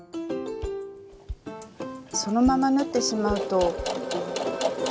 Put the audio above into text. そのまま縫ってしまうと。